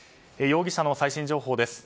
容疑者の最新情報です。